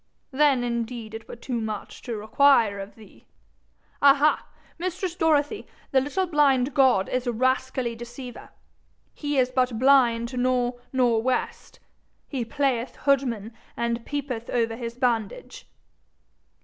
Then indeed it were too much to require of thee! Ah ha! mistress Dorothy, the little blind god is a rascally deceiver. He is but blind nor' nor' west. He playeth hoodman, and peepeth over his bandage.'